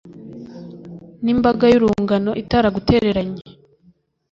n'imbaga y'urungano itaragutereranye